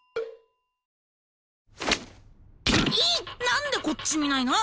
何でこっち見ないの？